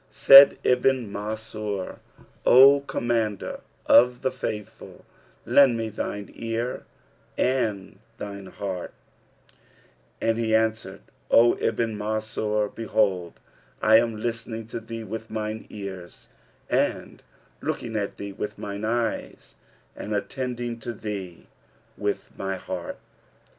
Said Ibn Mansur, "O Commander of the Faithful, lend me thine ear and thy heart;" and he answered, "O Ibn Mansur, behold, I am listening to thee with mine ears and looking at thee with mine eyes and attending to thee with my heart."